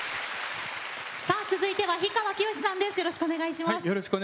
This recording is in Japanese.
続いては氷川きよしさんです。